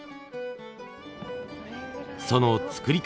その作り方。